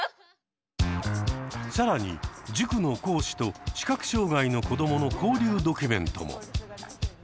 更に塾の講師と視覚障害の子どもの交流ドキュメントも。